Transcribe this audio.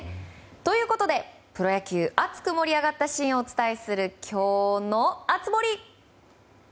ということでプロ野球熱く盛り上がったシーンをお伝えするきょうの熱盛。